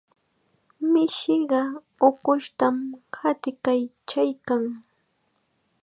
Mishiqa ukushtam qatiykachaykan.